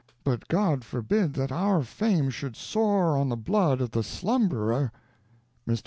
But God forbid that our fame should soar on the blood of the slumberer." Mr.